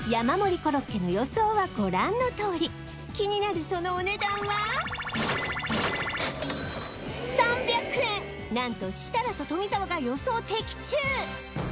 コロッケの予想はご覧のとおり気になるそのお値段は何と設楽と富澤が予想的中！